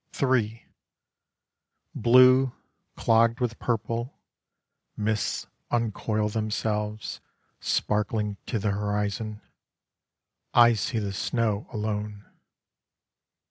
III Blue, clogged with purple, Mists uncoil themselves: Sparkling to the horizon, I see the snow alone.